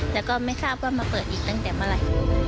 แต่ก็ไม่ทราบว่ามาเปิดอีกตั้งแต่เมื่อไหร่